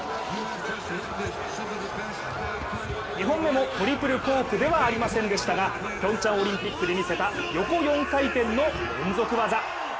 ２本目もトリプルコークではありませんでしたがピョンチャンオリンピックで見せた横４回転の連続技。